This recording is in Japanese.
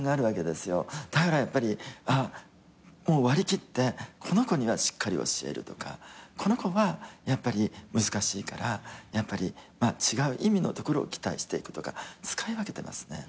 だからやっぱり割り切ってこの子にはしっかり教えるとかこの子は難しいから違う意味のところを期待していくとか使い分けてますね。